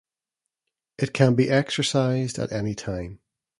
It can be exercised at any time.